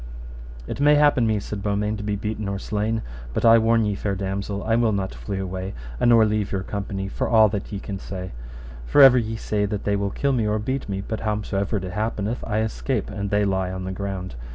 It may happen me, said Beaumains, to be beaten or slain, but I warn you, fair damosel, I will not flee away, a nor leave your company, for all that ye can say; for ever ye say that they will kill me or beat me, but howsomever it happeneth I escape, and they lie on the ground.